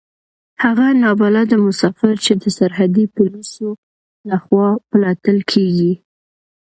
هغه نا بلده مسافر چې د سرحدي پوليسو له خوا پلټل کېږي.